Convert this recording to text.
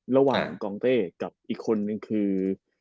ระหว่างกองเต้กับอีกคนนึงคือ